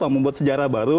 membuat sejarah baru